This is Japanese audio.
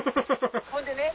ほんでね。